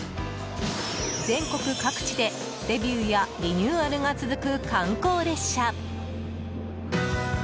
全国各地でデビューやリニューアルが続く観光列車。